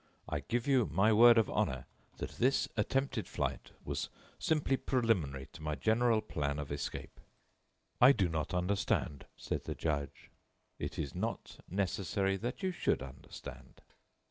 I give you my word of honor that this attempted flight was simply preliminary to my general plan of escape." "I do not understand," said the judge. "It is not necessary that you should understand."